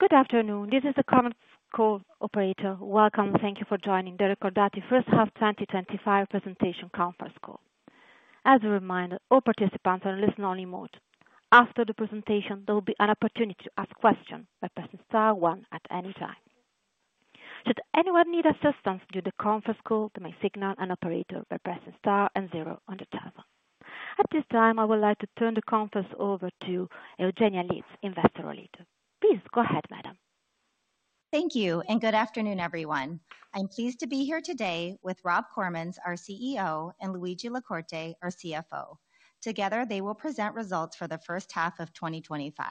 Good afternoon. This is the conference call operator. Welcome and thank you for joining the Recordati First Half 2025 Presentation Conference Call. As a reminder, all participants are on listen-only mode. After the presentation, there will be an opportunity to ask questions by pressing star one at any time. Should anyone need assistance during the conference call, they may signal an operator by pressing star and zero on the table. At this time, I would like to turn the conference over to Eugenia Litz, Investor Relator. Please go ahead, madam. Thank you, and good afternoon, everyone. I'm pleased to be here today with Rob Cormans, our CEO, and Luigi LaCorte, our CFO. Together, they will present results for the first half of 2025.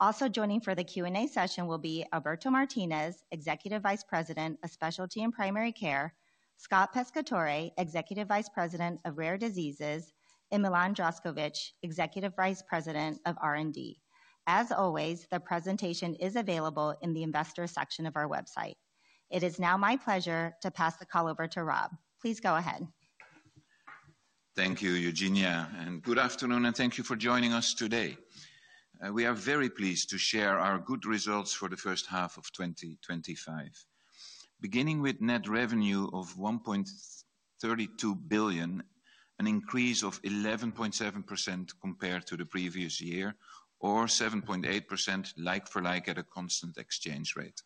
Also joining for the Q&A session will be Alberto Martinez, Executive Vice President of Specialty and Primary Care; Scott Pescatore, Executive Vice President of Rare Diseases; and Milan Droszkovic, Executive Vice President of R&D. As always, the presentation is available in the Investor section of our website. It is now my pleasure to pass the call over to Rob. Please go ahead. Thank you, Eugenia, and good afternoon, and thank you for joining us today. We are very pleased to share our good results for the first half of 2025. Beginning with net revenue of 1.32 billion, an increase of 11.7% compared to the previous year, or 7.8% like-for-like at a constant exchange rate.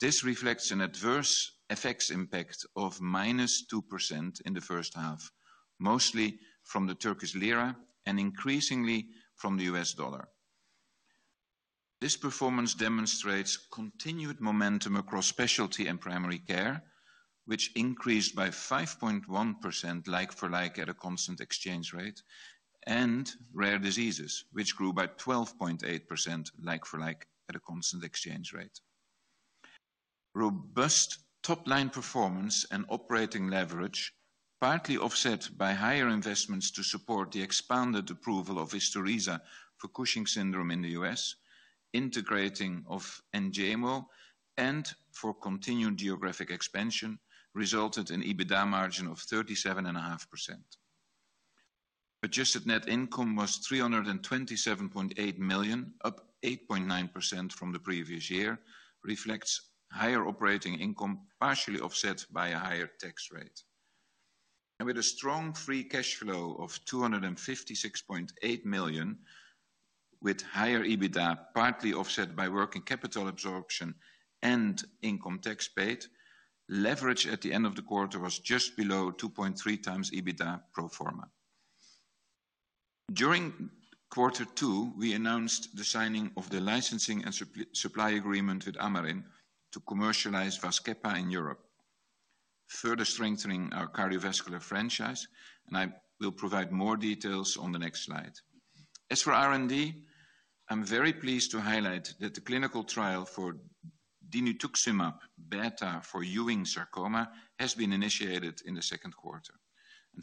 This reflects an adverse FX impact of -2% in the first half, mostly from the Turkish lira and increasingly from the US dollar. This performance demonstrates continued momentum across specialty and primary care, which increased by 5.1% like-for-like at a constant exchange rate, and rare diseases, which grew by 12.8% like-for-like at a constant exchange rate. Robust top-line performance and operating leverage, partly offset by higher investments to support the expanded approval of Vistariza for Cushing syndrome in the U.S., integrating of Enjaymo, and for continued geographic expansion, resulted in an EBITDA margin of 37.5%. Adjusted net income was 327.8 million, up 8.9% from the previous year, reflects higher operating income partially offset by a higher tax rate. With a strong free cash flow of 256.8 million, with higher EBITDA partly offset by working capital absorption and income tax paid, leverage at the end of the quarter was just below 2.3 times EBITDA pro forma. During quarter two, we announced the signing of the licensing and supply agreement with Amarin to commercialize Vascepa in Europe, further strengthening our cardiovascular franchise, and I will provide more details on the next slide. As for R&D, I am very pleased to highlight that the clinical trial for Denutuximab beta for Ewing sarcoma has been initiated in the second quarter.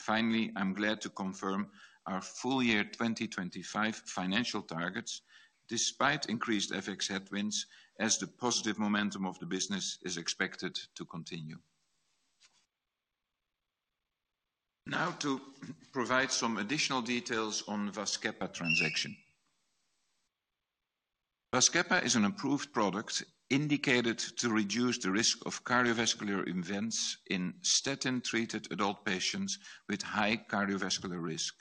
Finally, I am glad to confirm our full year 2025 financial targets, despite increased FX headwinds, as the positive momentum of the business is expected to continue. Now to provide some additional details on the Vascepa transaction. Vascepa is an approved product indicated to reduce the risk of cardiovascular events in statin-treated adult patients with high cardiovascular risk.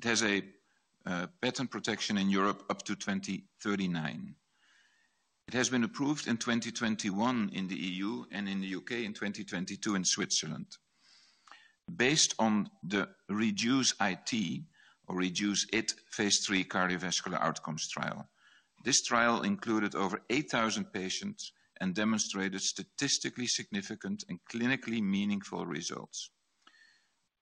It has patent protection in Europe up to 2039. It has been approved in 2021 in the EU and in the United Kingdom in 2022 in Switzerland. Based on the REDUCE-IT, or REDUCE-IT phase 3 cardiovascular outcomes trial, this trial included over 8,000 patients and demonstrated statistically significant and clinically meaningful results.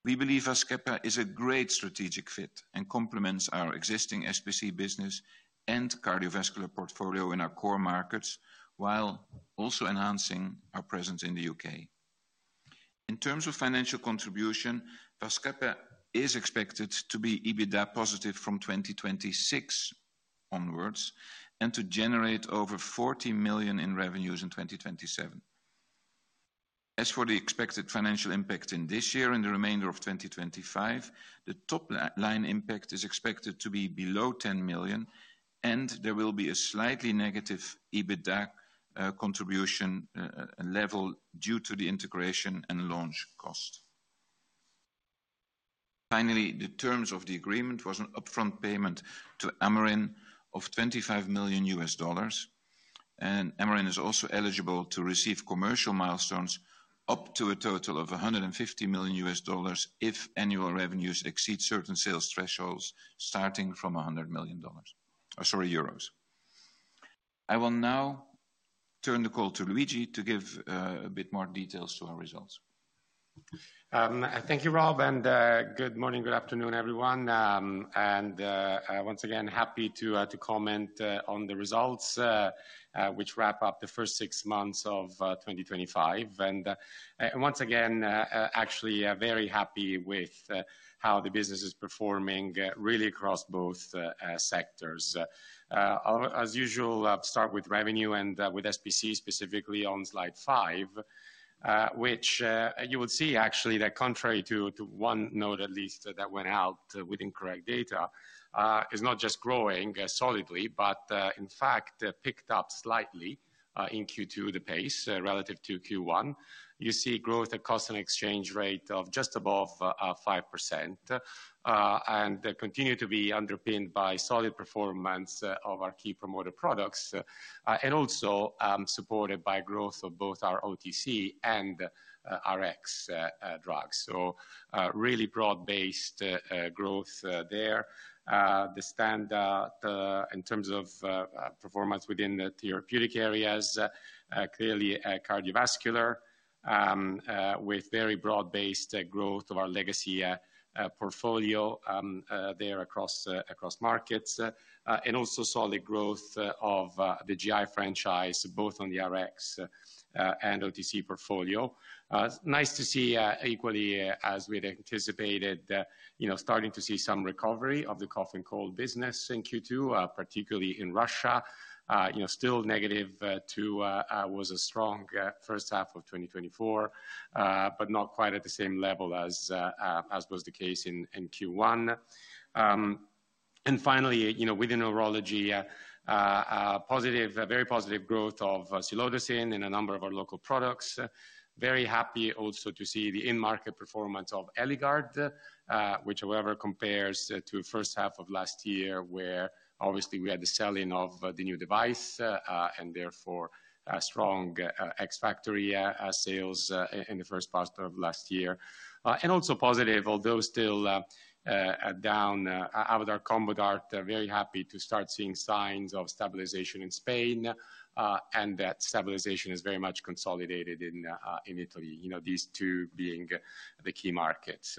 We believe Vascepa is a great strategic fit and complements our existing SPC business and cardiovascular portfolio in our core markets, while also enhancing our presence in the U.K. In terms of financial contribution, Vascepa is expected to be EBITDA positive from 2026 onwards and to generate over 40 million in revenues in 2027. As for the expected financial impact in this year and the remainder of 2025, the top-line impact is expected to be below 10 million, and there will be a slightly negative EBITDA contribution level due to the integration and launch cost. Finally, the terms of the agreement was an upfront payment to Amarin of $25 million, and Amarin is also eligible to receive commercial milestones up to a total of $150 million if annual revenues exceed certain sales thresholds starting from EUR 100 million—sorry, euros. I will now turn the call to Luigi to give a bit more details to our results. Thank you, Rob, and good morning, good afternoon, everyone. Once again, happy to comment on the results, which wrap up the first six months of 2025. Once again, actually very happy with how the business is performing really across both sectors. As usual, I'll start with revenue and with SPC specifically on slide five, which you will see actually that contrary to one note at least that went out with incorrect data, is not just growing solidly, but in fact picked up slightly in Q2, the pace relative to Q1. You see growth at constant exchange rate of just above 5% and continue to be underpinned by solid performance of our key promoter products and also supported by growth of both our OTC and Rx drugs. Really broad-based growth there. The standard in terms of performance within the therapeutic areas, clearly cardiovascular, with very broad-based growth of our legacy portfolio there across markets and also solid growth of the GI franchise, both on the Rx and OTC portfolio. Nice to see equally, as we anticipated, starting to see some recovery of the cough and cold business in Q2, particularly in Russia. Still negative to what was a strong first half of 2024, but not quite at the same level as was the case in Q1. Finally, within neurology, positive, very positive growth of Celodicin in a number of our local products. Very happy also to see the in-market performance of Eligard, which however compares to the first half of last year where obviously we had the selling of the new device and therefore strong ex-factory sales in the first part of last year. Also positive, although still down, Avodart Combodart, very happy to start seeing signs of stabilization in Spain, and that stabilization is very much consolidated in Italy, these two being the key markets.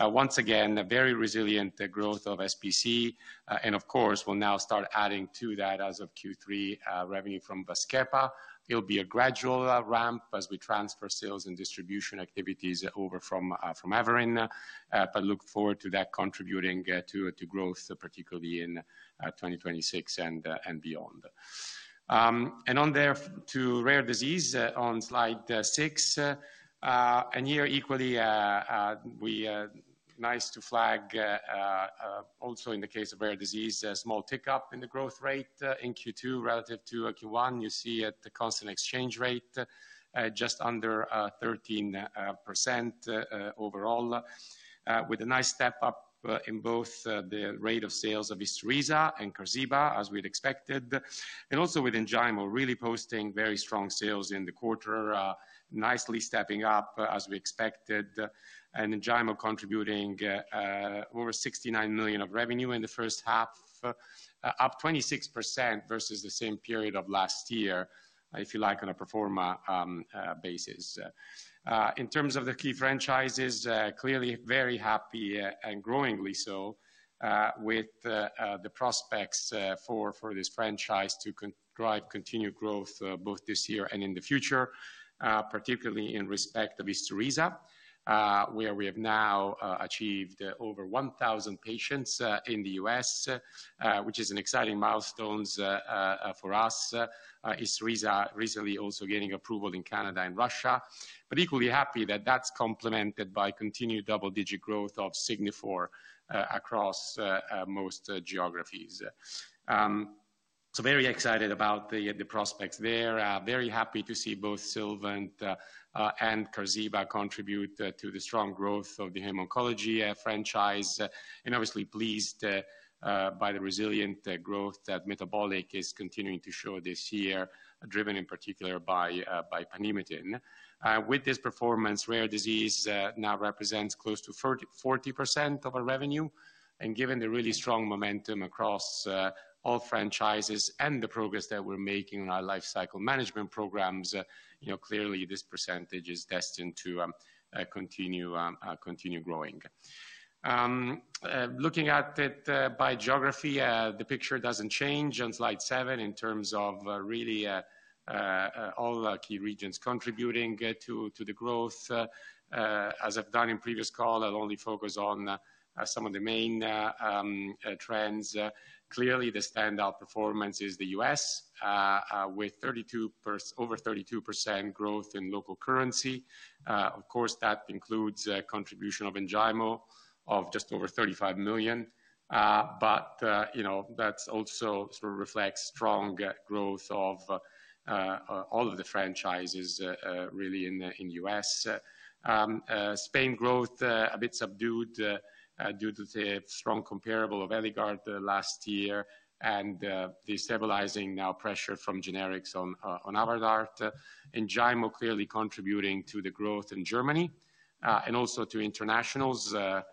Once again, very resilient growth of SPC. Of course, we'll now start adding to that as of Q3 revenue from Vascepa. It'll be a gradual ramp as we transfer sales and distribution activities over from Amarin, but look forward to that contributing to growth, particularly in 2026 and beyond. On there to Rare Disease on slide six. Here equally, we, nice to flag, also in the case of Rare Disease, a small tick up in the growth rate in Q2 relative to Q1. You see at the constant exchange rate just under 13% overall, with a nice step up in both the rate of sales of Vistariza and Corsaiba, as we'd expected. Also with Enjaymo, really posting very strong sales in the quarter, nicely stepping up as we expected, and Enjaymo contributing over 69 million of revenue in the first half. Up 26% versus the same period of last year, if you like on a pro forma basis. In terms of the key franchises, clearly very happy and growingly so with the prospects for this franchise to drive continued growth both this year and in the future. Particularly in respect of Vistariza, where we have now achieved over 1,000 patients in the U.S., which is an exciting milestone for us. Vistariza recently also gaining approval in Canada and Russia, but equally happy that that's complemented by continued double-digit growth of Signifor across most geographies. Very excited about the prospects there. Very happy to see both Silvant and Corsaiba contribute to the strong growth of the hem-oncology franchise, and obviously pleased by the resilient growth that Metabolic is continuing to show this year, driven in particular by Panimidin. With this performance, rare disease now represents close to 40% of our revenue. Given the really strong momentum across all franchises and the progress that we're making in our life cycle management programs, clearly this percentage is destined to continue growing. Looking at it by geography, the picture does not change on slide seven in terms of really all key regions contributing to the growth. As I've done in previous calls, I'll only focus on some of the main trends. Clearly, the standout performance is the U.S., with over 32% growth in local currency. Of course, that includes contribution of Enjaymo of just over 35 million, but that also reflects strong growth of all of the franchises really in the U.S. Spain growth a bit subdued due to the strong comparable of Eligard last year and the stabilizing now pressure from generics on Avodart. Enjaymo clearly contributing to the growth in Germany and also to internationals, where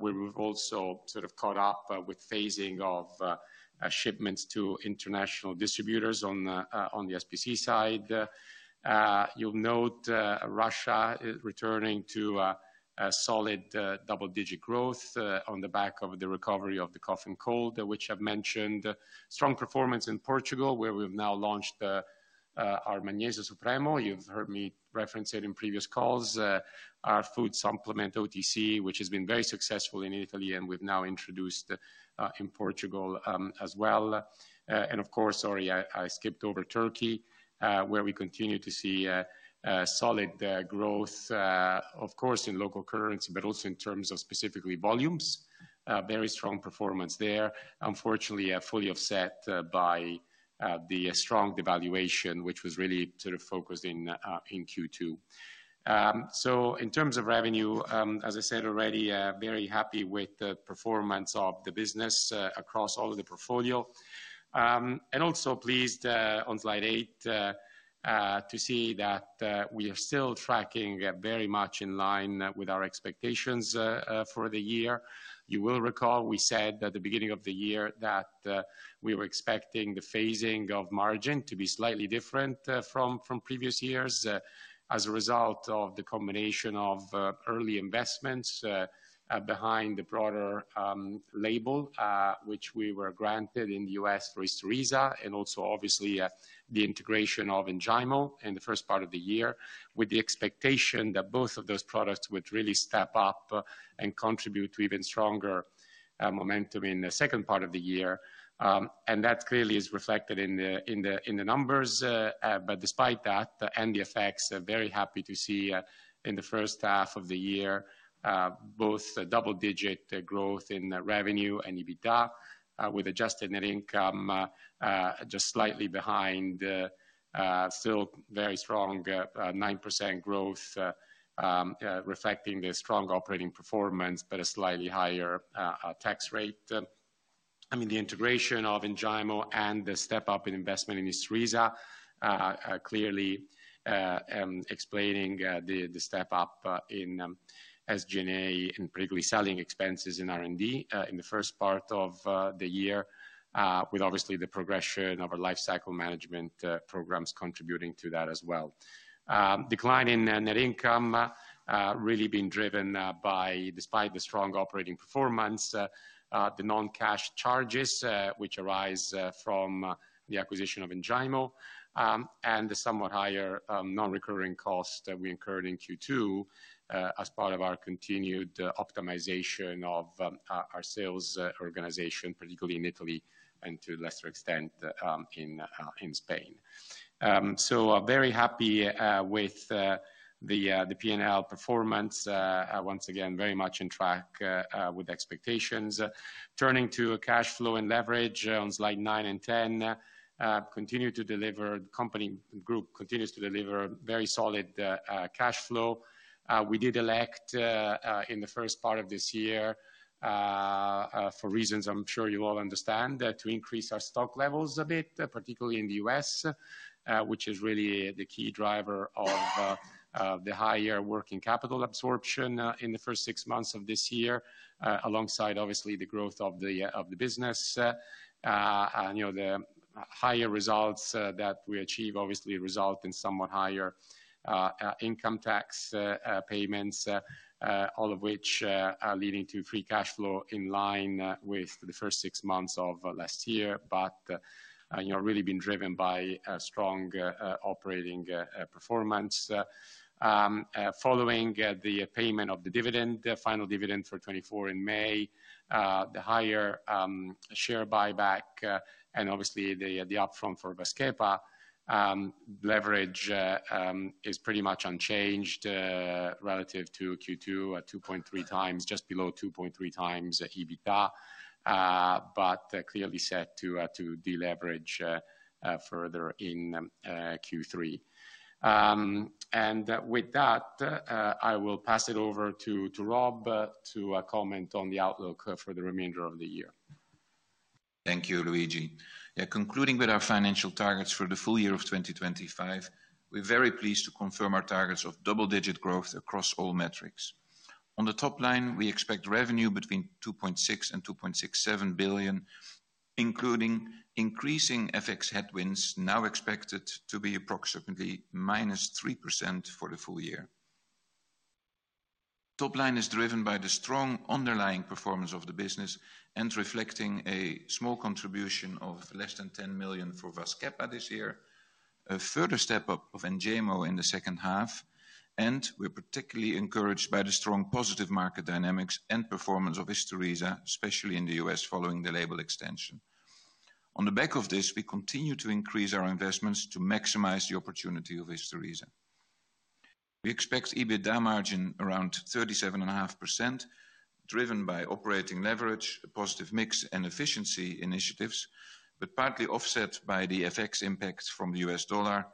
we've also caught up with phasing of shipments to international distributors on the SPC side. You'll note Russia returning to solid double-digit growth on the back of the recovery of the cough and cold, which I've mentioned. Strong performance in Portugal, where we've now launched our Magnesio Supremo. You've heard me reference it in previous calls. Our food supplement OTC, which has been very successful in Italy and we've now introduced in Portugal as well. Of course, sorry, I skipped over Turkey, where we continue to see solid growth, of course, in local currency, but also in terms of specifically volumes. Very strong performance there. Unfortunately, fully offset by the strong devaluation, which was really sort of focused in Q2. In terms of revenue, as I said already, very happy with the performance of the business across all of the portfolio. Also pleased on slide eight to see that we are still tracking very much in line with our expectations for the year. You will recall we said at the beginning of the year that we were expecting the phasing of margin to be slightly different from previous years as a result of the combination of early investments behind the broader label, which we were granted in the U.S. for Vistariza, and also obviously the integration of Enjaymo in the first part of the year with the expectation that both of those products would really step up and contribute to even stronger momentum in the second part of the year. That clearly is reflected in the numbers. Despite that and the FX, very happy to see in the first half of the year both double-digit growth in revenue and EBITDA with adjusted net income just slightly behind. Still very strong 9% growth, reflecting the strong operating performance, but a slightly higher tax rate. I mean, the integration of Enjaymo and the step-up in investment in Vistariza clearly explaining the step-up in SG&A and particularly selling expenses in R&D in the first part of the year, with obviously the progression of our life cycle management programs contributing to that as well. Decline in net income really being driven by, despite the strong operating performance, the non-cash charges which arise from the acquisition of Enjaymo and the somewhat higher non-recurring cost that we incurred in Q2 as part of our continued optimization of our sales organization, particularly in Italy and to a lesser extent in Spain. Very happy with the P&L performance. Once again, very much in track with expectations. Turning to cash flow and leverage on slide nine and ten. Continue to deliver, the company group continues to deliver very solid cash flow. We did elect in the first part of this year, for reasons I'm sure you all understand, to increase our stock levels a bit, particularly in the US, which is really the key driver of. The higher working capital absorption in the first six months of this year, alongside obviously the growth of the business. The higher results that we achieve obviously result in somewhat higher income tax payments, all of which are leading to free cash flow in line with the first six months of last year, but really being driven by strong operating performance. Following the payment of the dividend, the final dividend for 2024 in May. The higher share buyback and obviously the upfront for Vascepa. Leverage is pretty much unchanged relative to Q2 at 2.3 times, just below 2.3 times EBITDA. Clearly set to deleverage further in Q3. With that, I will pass it over to Rob to comment on the outlook for the remainder of the year. Thank you, Luigi. Yeah, concluding with our financial targets for the full year of 2025, we're very pleased to confirm our targets of double-digit growth across all metrics. On the top-line, we expect revenue between 2.6 billion–2.67 billion, including increasing FX headwinds now expected to be approximately -3% for the full year. Top line is driven by the strong underlying performance of the business and reflecting a small contribution of less than 10 million for Vascepa this year, a further step up of Enjaymo in the second half. We're particularly encouraged by the strong positive market dynamics and performance of Vistariza, especially in the U.S. following the label extension. On the back of this, we continue to increase our investments to maximize the opportunity of Vistariza. We expect EBITDA margin around 37.5%. Driven by operating leverage, a positive mix and efficiency initiatives, but partly offset by the FX impact from the U.S. dollar.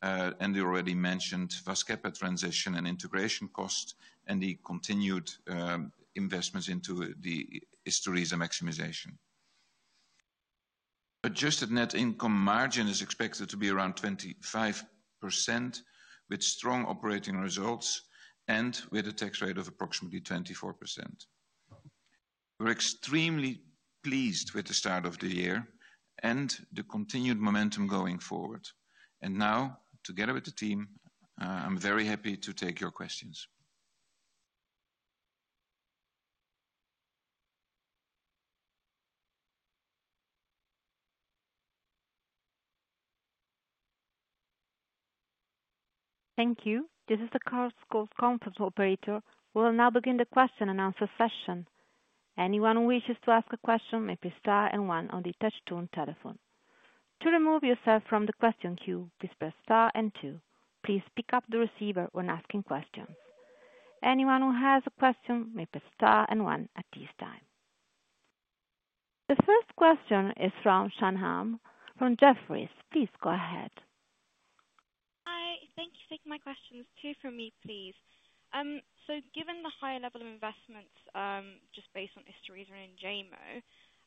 And the already mentioned Vascepa transition and integration cost and the continued investments into the Vistariza maximization. Adjusted net income margin is expected to be around 25% with strong operating results and with a tax rate of approximately 24%. We're extremely pleased with the start of the year and the continued momentum going forward. Now, together with the team, I'm very happy to take your questions. Thank you. This is the Chorus Call conference operator. We will now begin the question-and-answer session. Anyone who wishes to ask a question may press star and one on the touch-tone telephone. To remove yourself from the question queue, please press star and two. Please pick up the receiver when asking questions. Anyone who has a question may press star and one at this time. The first question is from Shan Hama, from Jefferies. Please go ahead. Hi, thank you. Take my questions. Two from me, please. Given the high level of investments just based on Vistariza and Enjaymo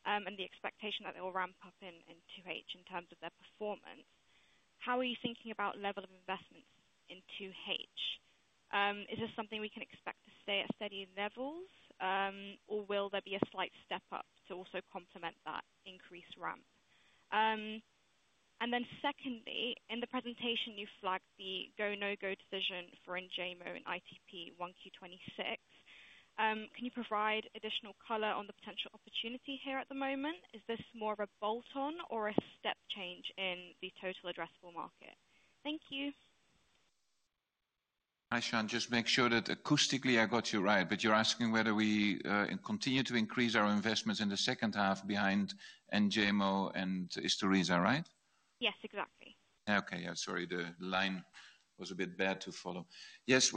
and the expectation that they will ramp up in 2H in terms of their performance, how are you thinking about level of investments in 2H? Is this something we can expect to stay at steady levels, or will there be a slight step up to also complement that increased ramp? Secondly, in the presentation, you flagged the go/no-go decision for Enjaymo and ITP 1Q 2026. Can you provide additional color on the potential opportunity here at the moment? Is this more of a bolt-on or a step change in the total addressable market? Thank you. Hi, Shan. Just make sure that acoustically I got you right, but you're asking whether we continue to increase our investments in the second half behind Enjaymo and Vistariza, right? Yes, exactly. Okay. Yeah, sorry, the line was a bit bad to follow. Yes,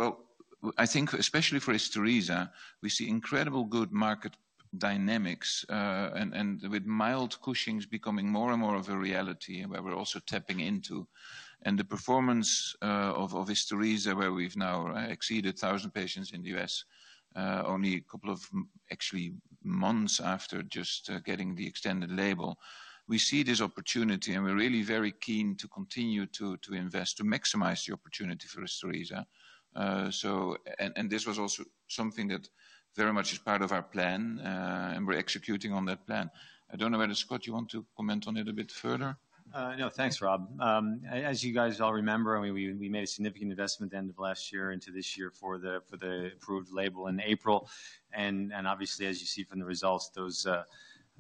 I think especially for Vistariza, we see incredibly good market dynamics and with mild Cushings becoming more and more of a reality where we're also tapping into. The performance of Vistariza, where we've now exceeded 1,000 patients in the U.S. only a couple of months after just getting the extended label, we see this opportunity and we're really very keen to continue to invest to maximize the opportunity for Vistariza. This was also something that very much is part of our plan and we're executing on that plan. I do not know whether Scott, you want to comment on it a bit further? No, thanks, Rob. As you guys all remember, I mean, we made a significant investment at the end of last year into this year for the approved label in April. Obviously, as you see from the results,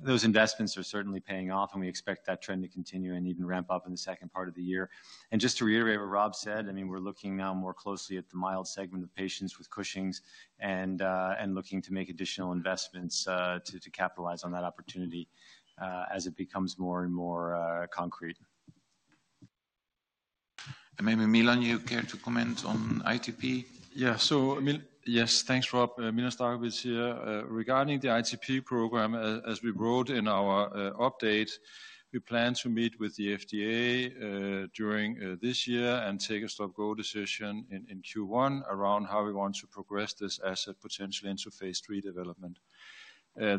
those investments are certainly paying off and we expect that trend to continue and even ramp up in the second part of the year. Just to reiterate what Rob said, I mean, we're looking now more closely at the mild segment of patients with Cushing's and looking to make additional investments to capitalize on that opportunity as it becomes more and more concrete. Maybe Milan, you care to comment on ITP? Yeah, so Milan, yes, thanks, Rob. Milan Zdravkovic here. Regarding the ITP program, as we wrote in our update, we plan to meet with the FDA during this year and take a stop-go decision in Q1 around how we want to progress this as a potential interface redevelopment.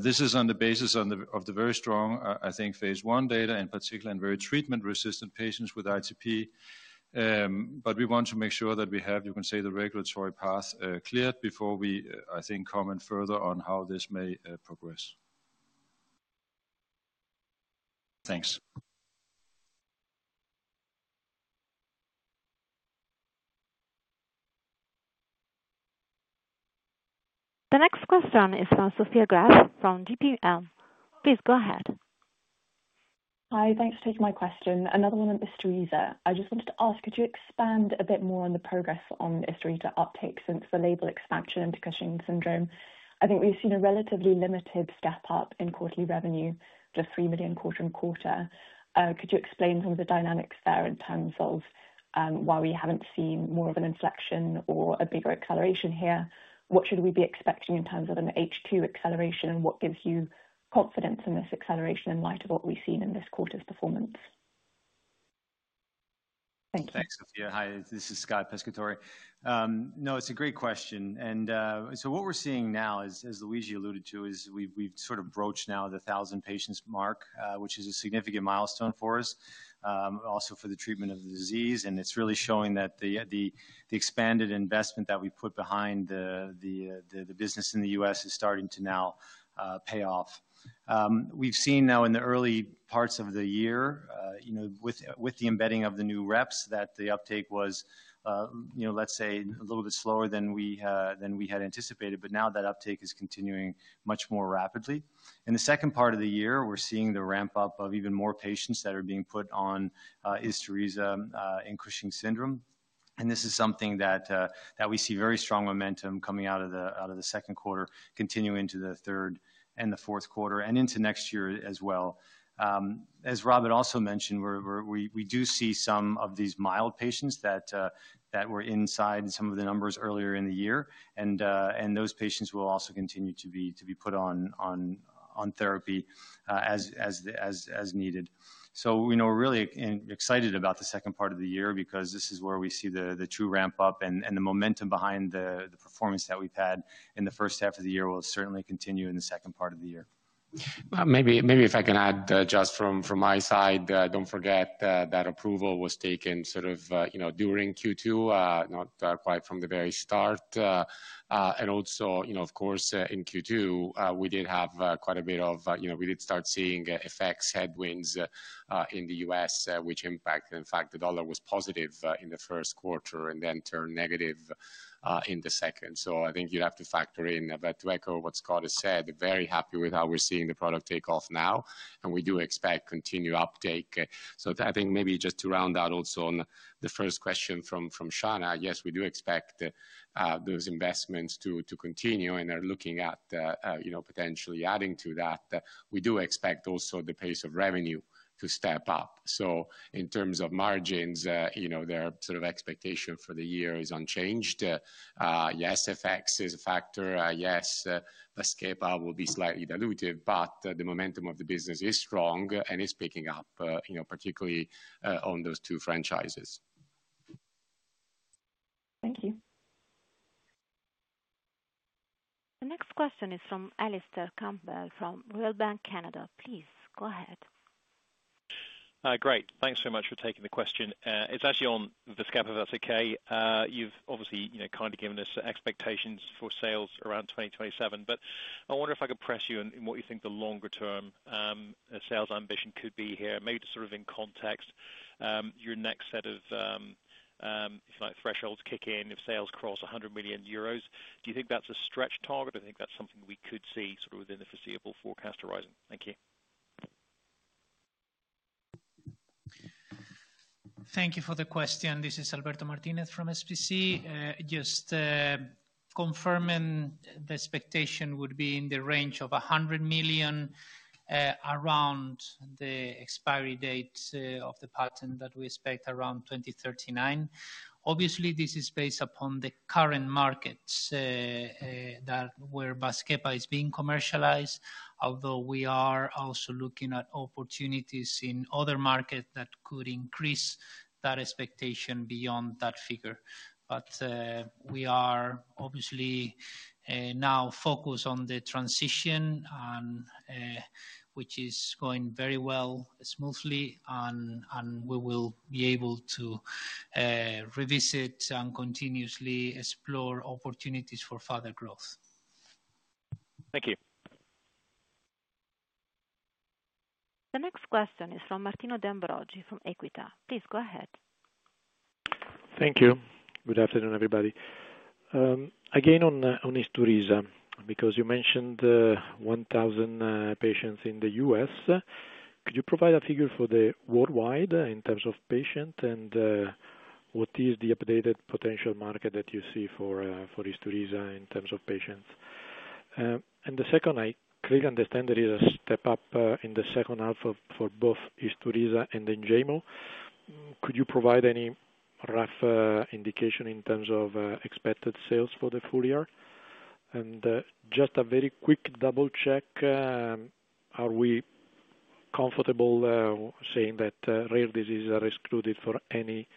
This is on the basis of the very strong, I think, phase one data in particular and very treatment-resistant patients with ITP. We want to make sure that we have, you can say, the regulatory path cleared before we, I think, comment further on how this may progress. Thanks. The next question is from Sofia Gras from GPM. Please go ahead. Hi, thanks for taking my question. Another one on Vistariza. I just wanted to ask, could you expand a bit more on the progress on Vistariza uptake since the label expansion into Cushing syndrome? I think we've seen a relatively limited step-up in quarterly revenue, just 3 million quarter on quarter. Could you explain some of the dynamics there in terms of why we haven't seen more of an inflection or a bigger acceleration here? What should we be expecting in terms of an H2 acceleration and what gives you confidence in this acceleration in light of what we've seen in this quarter's performance? Thank you. Thanks, Sofia. Hi, this is Scott Pescatore. No, it's a great question. What we're seeing now, as Luigi alluded to, is we've sort of broached now the 1,000 patients mark, which is a significant milestone for us. Also for the treatment of the disease. It's really showing that the expanded investment that we put behind the business in the U.S. is starting to now pay off. We've seen now in the early parts of the year, with the embedding of the new reps, that the uptake was, let's say, a little bit slower than we had anticipated, but now that uptake is continuing much more rapidly. In the second part of the year, we're seeing the ramp-up of even more patients that are being put on Vistariza in Cushing syndrome. This is something that we see very strong momentum coming out of the second quarter, continuing into the third and the fourth quarter, and into next year as well. As Rob had also mentioned, we do see some of these mild patients that were inside some of the numbers earlier in the year. Those patients will also continue to be put on therapy as needed. We're really excited about the second part of the year because this is where we see the true ramp-up and the momentum behind the performance that we've had in the first half of the year will certainly continue in the second part of the year. Maybe if I can add just from my side, do not forget that approval was taken sort of during Q2, not quite from the very start. Also, of course, in Q2, we did have quite a bit of, we did start seeing FX headwinds in the U.S., which impacted, in fact, the dollar was positive in the first quarter and then turned negative in the second. I think you would have to factor in, but to echo what Scott has said, very happy with how we are seeing the product take off now. We do expect continued uptake. I think maybe just to round out also on the first question from Shana, yes, we do expect those investments to continue and are looking at potentially adding to that. We do expect also the pace of revenue to step up. In terms of margins, their sort of expectation for the year is unchanged. Yes, FX is a factor. Yes, Vascepa will be slightly diluted, but the momentum of the business is strong and is picking up, particularly on those two franchises. Thank you. The next question is from Alistair Campbell from Royal Bank Canada. Please go ahead. Great. Thanks so much for taking the question. It's actually on Vascepa, if that's okay. You've obviously kindly given us expectations for sales around 2027, but I wonder if I could press you in what you think the longer-term sales ambition could be here, maybe sort of in context, your next set of, if you like, thresholds kick in if sales cross 100 million euros. Do you think that's a stretch target? Do you think that's something we could see sort of within the foreseeable forecast horizon? Thank you. Thank you for the question. This is Alberto Martinez from SPC. Just confirming the expectation would be in the range of 100 million around the expiry date of the patent that we expect around 2039. Obviously, this is based upon the current markets where Vascepa is being commercialized, although we are also looking at opportunities in other markets that could increase that expectation beyond that figure. We are obviously now focused on the transition, which is going very well, smoothly, and we will be able to revisit and continuously explore opportunities for further growth. Thank you. The next question is from Martino De Ambroggi from EQUITA. Please go ahead. Thank you. Good afternoon, everybody. Again on Vistariza, because you mentioned 1,000 patients in the U.S., could you provide a figure for the worldwide in terms of patient and. What is the updated potential market that you see for Vistariza in terms of patients? The second, I clearly understand there is a step-up in the second half for both Vistariza and Enjaymo. Could you provide any rough indication in terms of expected sales for the full year? Just a very quick double-check. Are we comfortable saying that rare diseases are excluded for any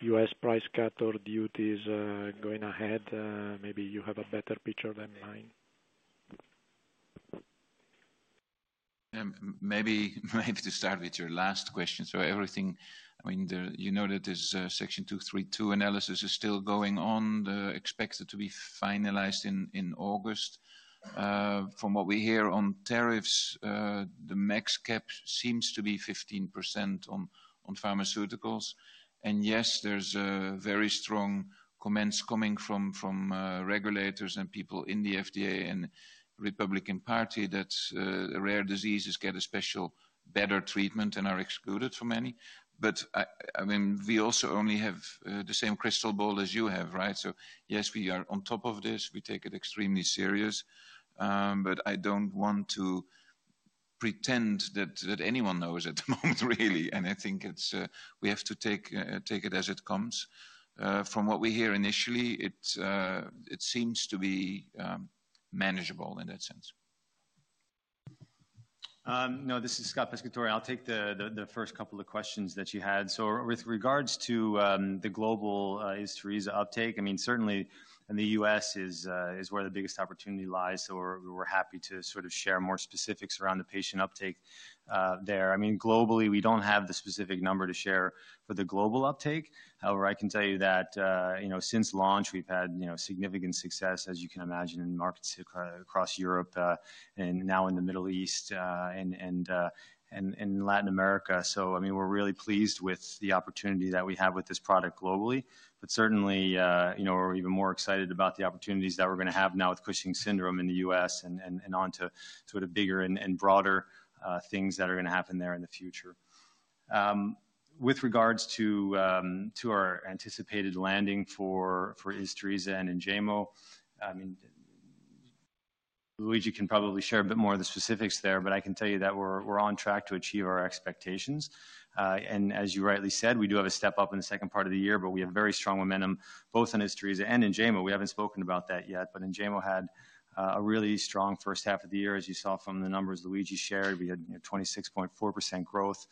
U.S. price cut or duties going ahead? Maybe you have a better picture than mine. Maybe to start with your last question. Everything, I mean, you know that this section 232 analysis is still going on, expected to be finalized in August. From what we hear on tariffs, the max cap seems to be 15% on pharmaceuticals. Yes, there are very strong comments coming from regulators and people in the FDA and Republican Party that rare diseases get a special better treatment and are excluded for many. I mean, we also only have the same crystal ball as you have, right? Yes, we are on top of this. We take it extremely serious. I do not want to pretend that anyone knows at the moment, really. I think we have to take it as it comes. From what we hear initially, it seems to be manageable in that sense. No, this is Scott Pescatore. I'll take the first couple of questions that you had. With regards to the global Vistariza uptake, I mean, certainly in the U.S. is where the biggest opportunity lies. We're happy to sort of share more specifics around the patient uptake there. Globally, we don't have the specific number to share for the global uptake. However, I can tell you that since launch, we've had significant success, as you can imagine, in markets across Europe and now in the Middle East and in Latin America. We're really pleased with the opportunity that we have with this product globally. Certainly, we're even more excited about the opportunities that we're going to have now with Cushing syndrome in the U.S. and onto bigger and broader things that are going to happen there in the future. With regards to our anticipated landing for Vistariza and Enjaymo, Luigi can probably share a bit more of the specifics there, but I can tell you that we're on track to achieve our expectations. As you rightly said, we do have a step-up in the second part of the year, but we have very strong momentum both on Vistariza and Enjaymo. We haven't spoken about that yet, but Enjaymo had a really strong first half of the year, as you saw from the numbers Luigi shared. We had 26.4% growth.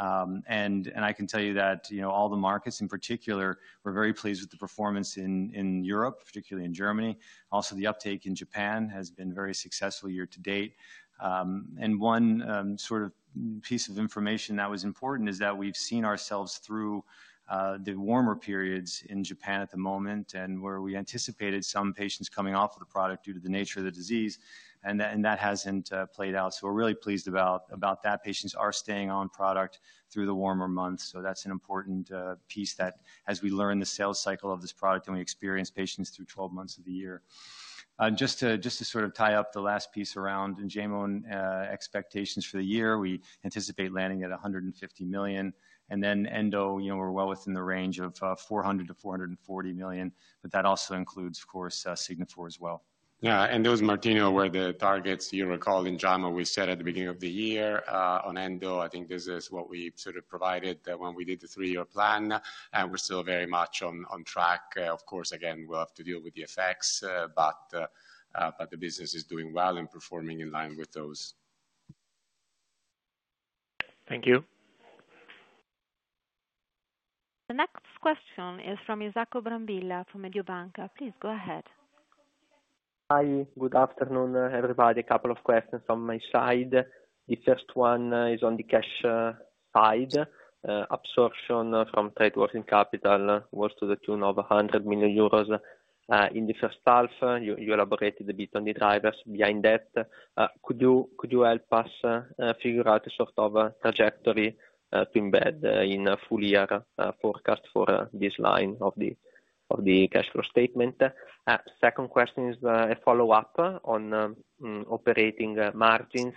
I can tell you that all the markets in particular, we're very pleased with the performance in Europe, particularly in Germany. Also, the uptake in Japan has been very successful year to date. One piece of information that was important is that we've seen ourselves through the warmer periods in Japan at the moment where we anticipated some patients coming off of the product due to the nature of the disease, and that hasn't played out. We're really pleased about that. Patients are staying on product through the warmer months. That's an important piece as we learn the sales cycle of this product and we experience patients through 12 months of the year. Just to tie up the last piece around Enjaymo and expectations for the year, we anticipate landing at 150 million. Endo, we're well within the range of 400–440 million. That also includes, of course, Signifor as well. Yeah. And those, Martino, were the targets, you recall, Enjaymo, we said at the beginning of the year. On Endo, I think this is what we sort of provided when we did the three-year plan. We're still very much on track. Of course, again, we'll have to deal with the effects, but the business is doing well and performing in line with those. Thank you. The next question is from Isacco Brambilla from Mediobanca. Please go ahead. Hi. Good afternoon, everybody. A couple of questions from my side. The first one is on the cash side. Absorption from trade working capital was to the tune of 100 million euros in the first half. You elaborated a bit on the drivers behind that. Could you help us figure out a sort of trajectory to embed in a full-year forecast for this line of the cash flow statement? Second question is a follow-up on operating margins.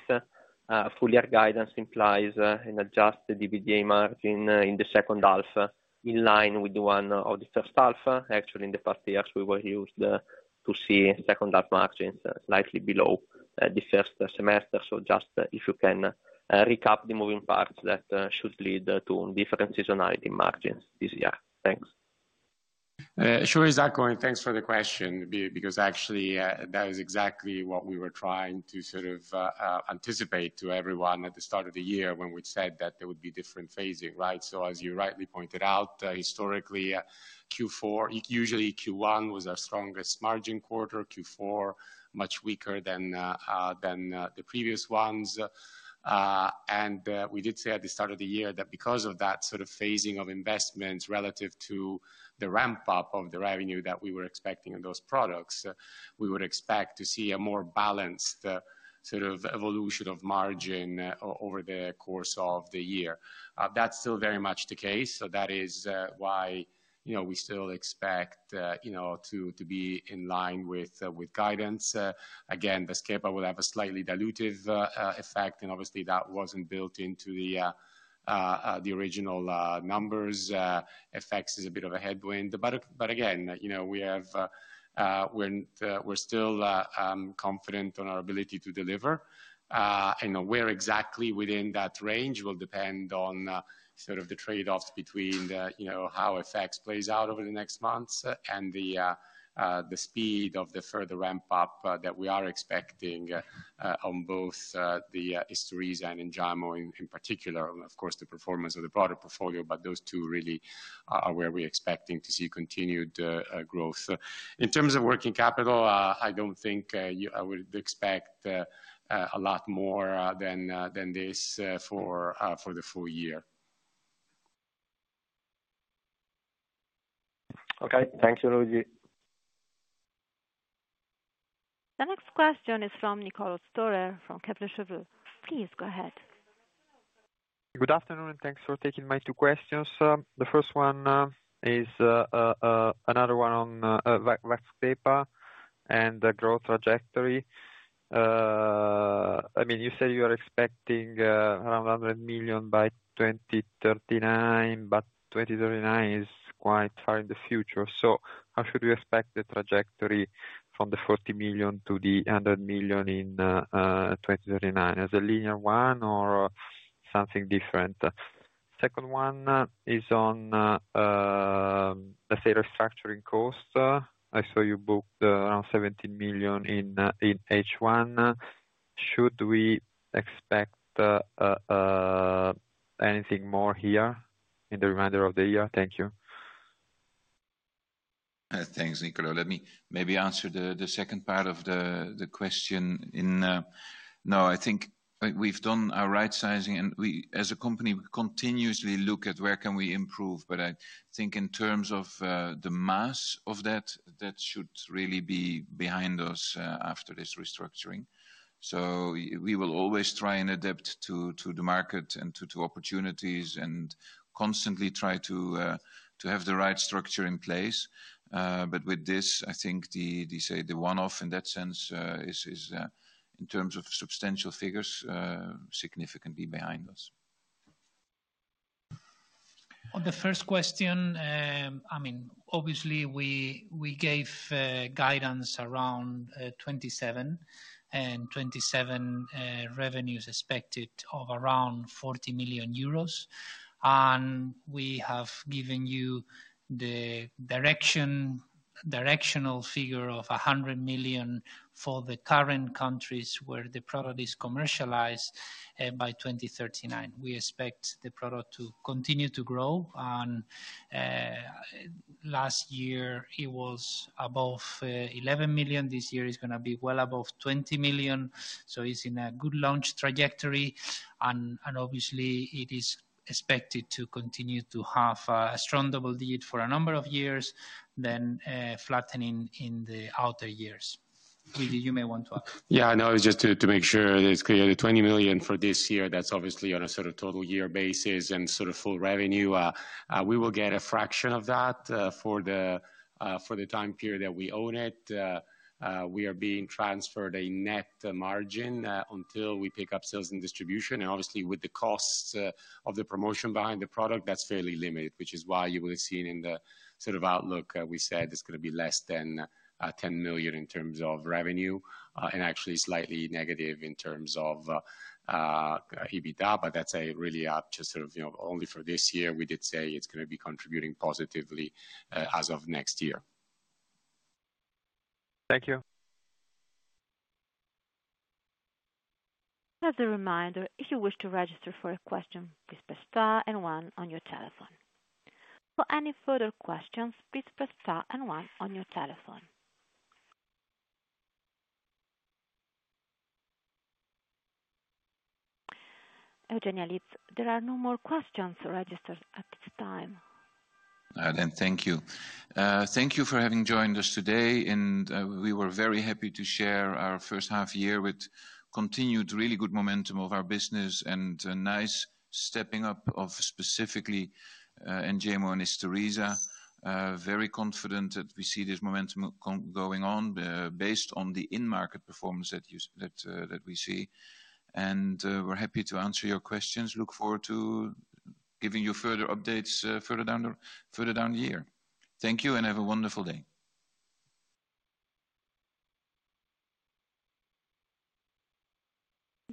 Full-year guidance implies an adjusted EBITDA margin in the second half in line with the one of the first half. Actually, in the past years, we were used to see second-half margins slightly below the first semester. Just if you can recap the moving parts that should lead to different seasonality margins this year. Thanks. Sure, Isacco, and thanks for the question because actually that is exactly what we were trying to sort of anticipate to everyone at the start of the year when we said that there would be different phasing, right? As you rightly pointed out, historically, Q1 was our strongest margin quarter, Q4 much weaker than the previous ones. We did say at the start of the year that because of that sort of phasing of investments relative to the ramp-up of the revenue that we were expecting in those products, we would expect to see a more balanced sort of evolution of margin over the course of the year. That is still very much the case. That is why we still expect to be in line with guidance. Again, Vascepa will have a slightly dilutive effect, and obviously that was not built into the original numbers. FX is a bit of a headwind. Again, we are still confident on our ability to deliver. Where exactly within that range will depend on sort of the trade-offs between how FX plays out over the next months and the speed of the further ramp-up that we are expecting on both the Vistariza and Enjaymo in particular. Of course, the performance of the broader portfolio, but those two really are where we are expecting to see continued growth. In terms of working capital, I do not think I would expect a lot more than this for the full year. Okay. Thank you, Luigi. The next question is from Niccolo Storer from Kepler Cheuvreux. Please go ahead. Good afternoon and thanks for taking my two questions. The first one is another one on Vascepa and the growth trajectory. I mean, you said you are expecting around 100 million by 2039, but 2039 is quite far in the future. So how should we expect the trajectory from the 40 million to the 100 million in 2039? Is it a linear one or something different? Second one is on the sale restructuring cost. I saw you booked around 17 million in H1. Should we expect anything more here in the remainder of the year? Thank you. Thanks, Niccolo. Let me maybe answer the second part of the question. No, I think we've done our right sizing, and as a company, we continuously look at where can we improve. I think in terms of the mass of that, that should really be behind us after this restructuring. We will always try and adapt to the market and to opportunities and constantly try to have the right structure in place. With this, I think the one-off in that sense is, in terms of substantial figures, significantly behind us. On the first question, I mean, obviously we gave guidance around 2027. And 2027 revenues expected of around 40 million euros. And we have given you the directional figure of 100 million for the current countries where the product is commercialized by 2039. We expect the product to continue to grow. Last year, it was above 11 million. This year is going to be well above 20 million. It is in a good launch trajectory. Obviously, it is expected to continue to have a strong double digit for a number of years, then flattening in the outer years. Luigi, you may want to add. Yeah, no, it's just to make sure that it's clear. The 20 million for this year, that's obviously on a sort of total year basis and sort of full revenue. We will get a fraction of that for the time period that we own it. We are being transferred a net margin until we pick up sales and distribution. Obviously, with the costs of the promotion behind the product, that's fairly limited, which is why you will have seen in the sort of outlook we said it's going to be less than 10 million in terms of revenue and actually slightly negative in terms of EBITDA. That's really up just sort of only for this year. We did say it's going to be contributing positively as of next year. Thank you. As a reminder, if you wish to register for a question, please press star and one on your telephone. For any further questions, please press star and one on your telephone. Eugenia Litz, there are no more questions registered at this time. Thank you. Thank you for having joined us today. We were very happy to share our first half year with continued really good momentum of our business and a nice stepping up of specifically Enjaymo and Vistariza. Very confident that we see this momentum going on based on the in-market performance that we see. We are happy to answer your questions. Look forward to giving you further updates further down the year. Thank you and have a wonderful day.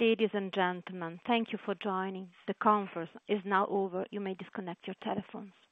Ladies and gentlemen, thank you for joining. The conference is now over. You may disconnect your telephones.